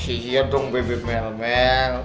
iya dong bebek melmel